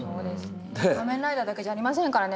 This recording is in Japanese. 「仮面ライダー」だけじゃありませんからね。